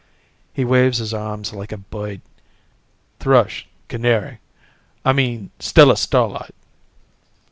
He waves his arms like a bird. "Thrush, canary I mean Stella Starlight."